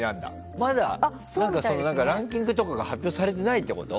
まだランキングとかが発表されてないってこと？